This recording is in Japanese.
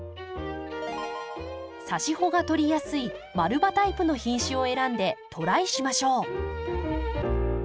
さし穂が取りやすい丸葉タイプの品種を選んでトライしましょう。